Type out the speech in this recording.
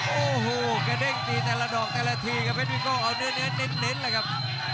โอ้โหกระเด้งตีแต่ละดอกแต่ละทีครับเพชรวิโก้เอาเนื้อเน้นเลยครับ